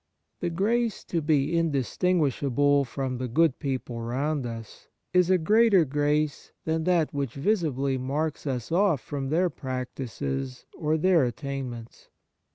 The grace to be indistinguishable from the good people round us is a greater grace than that which visibly marks us off from their practices or their attainments.